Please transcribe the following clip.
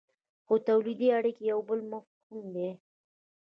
خو تولیدي اړیکې یو بل مفهوم دی.